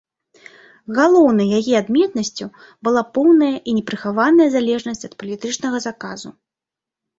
Галоўнай яе адметнасцю была поўная і непрыхаваная залежнасць ад палітычнага заказу.